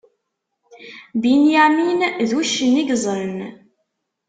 Binyamin, d uccen i yezzren.